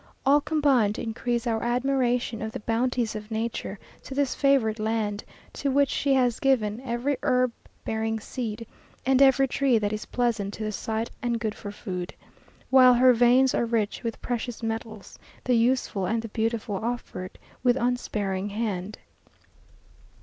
All combine to increase our admiration of the bounties of nature to this favoured land, to which she has given "every herb bearing seed, and every tree that is pleasant to the sight and good for food," while her veins are rich with precious metals; the useful and the beautiful offered with unsparing hand.